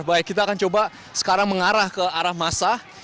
baik kita akan coba sekarang mengarah ke arah masa